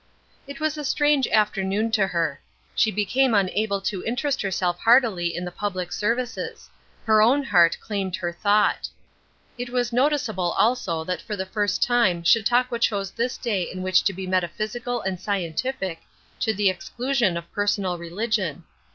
It was a strange afternoon to her. She became unable to interest herself heartily in the public services; her own heart claimed her thought. It was noticeable also that for the first time Chautauqua chose this day in which to be metaphysical and scientific, to the exclusion of personal religion.